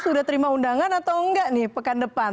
sudah terima undangan atau enggak nih pekan depan